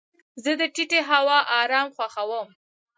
زه د ټیټې هوا ارام خوښوم.